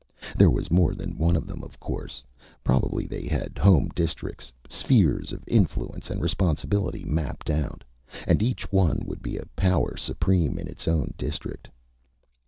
There was more than one of them, of course. Probably they had home districts, spheres of influence and responsibility mapped out. And each one would be a power supreme in its own district.